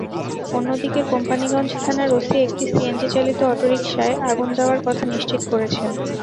অন্যদিকে, কোম্পানীগঞ্জ থানার ওসি একটি সিএনজিচালিত অটোরিকশায় আগুন দেওয়ার কথা নিশ্চিত করেছেন।